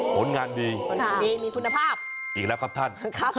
ผลงานดีมีคุณภาพอีกแล้วครับท่านครับ